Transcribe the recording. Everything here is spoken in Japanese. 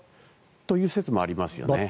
その説もありますよね。